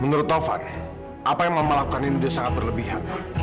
menurut tante apa yang mama lakukan ini sudah sangat berlebihan ma